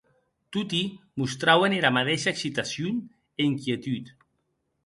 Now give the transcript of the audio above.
Toti mostrauen era madeisha excitación e inquietud.